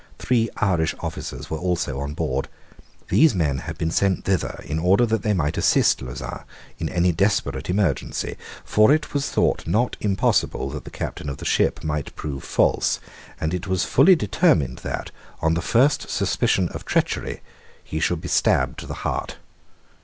Three Irish officers were also on board. These men had been sent thither in order that they might assist Lauzun in any desperate emergency; for it was thought not impossible that the captain of the ship might prove false; and it was fully determined that, on the first suspicion of treachery, he should be stabbed to the heart.